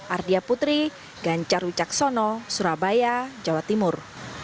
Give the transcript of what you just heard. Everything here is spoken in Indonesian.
ardia putri ganjar wicaksono surabaya jawa timur